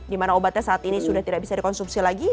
dimana obatnya saat ini sudah tidak bisa dikonsumsi lagi